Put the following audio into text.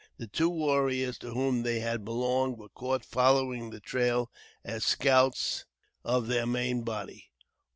The two warriors to whom they had belonged were caught following the trail as scouts of their main body.